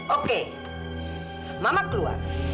oke mama keluar